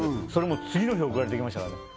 もう次の日送られてきましたからね